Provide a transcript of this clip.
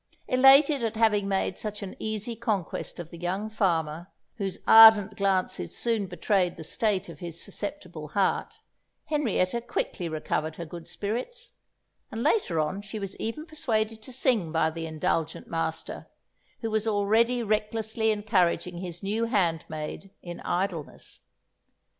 Elated at having made such an easy conquest of the young farmer, whose ardent glances soon betrayed the state of his susceptible heart, Henrietta quickly recovered her good spirits; and later on she was even persuaded to sing by the indulgent master, who was already recklessly encouraging his new handmaid in idleness.